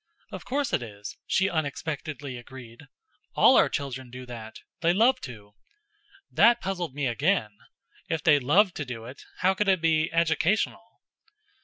"Of course it is," she unexpectedly agreed. "All our children do that they love to." That puzzled me again. If they loved to do it, how could it be educational?